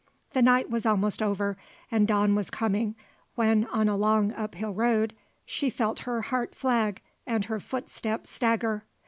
The night was almost over and dawn was coming, when, on a long uphill road, she felt her heart flag and her footsteps stagger.